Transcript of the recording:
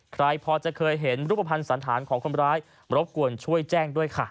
ใครพอจะเคยเห็นรูปภัณฑ์สันธารของคนร้ายรบกวนช่วยแจ้งด้วยค่ะ